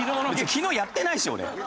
昨日やってないし俺。